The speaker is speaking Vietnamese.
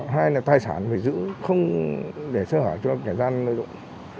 hay là tài sản phải giữ không để sơ hờn cho kẻ gian nơi dụng